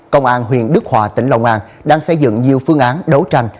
công an huyện đức hòa tỉnh long an đang xây dựng nhiều phương án đấu tranh